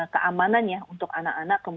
keamanan ya untuk anak anak